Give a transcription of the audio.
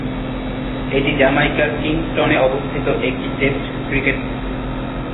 এটি জ্যামাইকার কিংস্টনে অবস্থিত একটি টেস্ট ক্রিকেট স্টেডিয়াম।